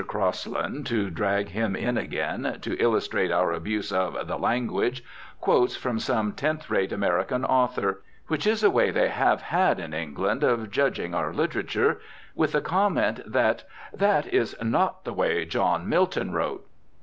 Crosland, to drag him in again, to illustrate our abuse of "the language," quotes from some tenth rate American author which is a way they have had in England of judging our literature with the comment that "that is not the way John Milton wrote."